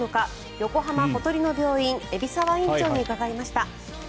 横浜小鳥の病院海老沢院長に伺いました。